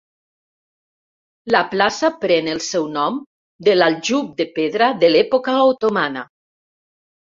La plaça pren el seu nom de l'aljub de pedra de l'època otomana.